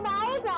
makasih ya nenek